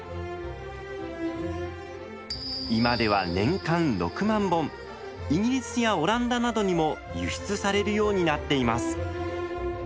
今では年間６万本イギリスやオランダなどにも輸出されるようになっています。